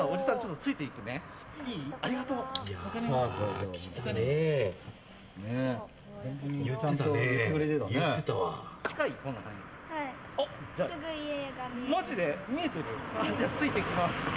ついていきます。